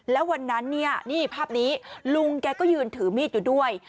แล้ววันนั้นเนี่ยนี่ภาพนี้ลุงแกก็ยืนถือมีดอยู่ด้วย